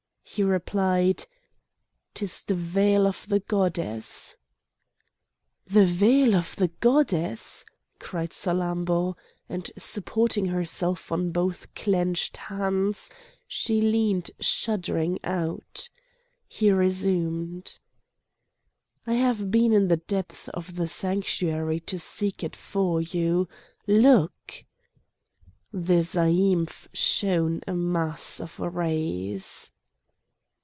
He replied: "'Tis the veil of the goddess!" "The veil of the goddess!" cried Salammbô, and supporting herself on both clenched hands she leaned shuddering out. He resumed: "I have been in the depths of the sanctuary to seek it for you! Look!" The zaïmph shone a mass of rays.